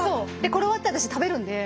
これ終わったら私食べるんで。